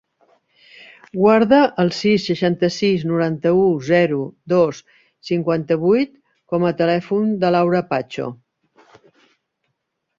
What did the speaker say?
Guarda el sis, seixanta-sis, noranta-u, zero, dos, cinquanta-vuit com a telèfon de l'Aura Pacho.